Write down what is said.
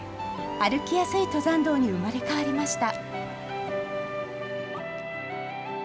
歩きやすい登山道に生まれ変わりました。